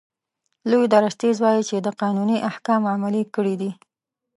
لوی درستیز وایي چې ده قانوني احکام عملي کړي دي.